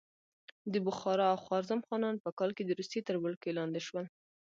د بخارا او خوارزم خانان په کال کې د روسیې تر ولکې لاندې شول.